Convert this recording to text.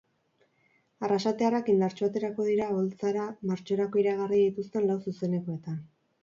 Arrasatearrak indartsu aterako dira oholtzara martxorako iragarri dituzten lau zuzenekoetan.